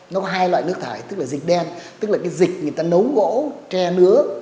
nó có hai loại nước thải tức là dịch đen tức là dịch người ta nấu gỗ tre nước